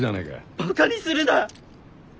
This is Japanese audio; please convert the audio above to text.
バカにするな！